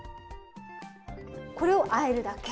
これをあえるだけ？